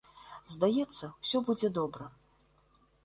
Здаецца, усё будзе добра.